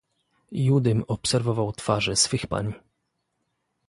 "Judym obserwował twarze swych pań."